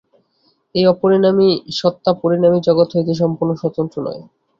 এই অপরিণামী সত্তা পরিণামী জগৎ হইতে সম্পূর্ণ স্বতন্ত্র নয়।